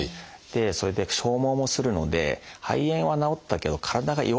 それで消耗もするので肺炎は治ったけど体が弱くなりますと。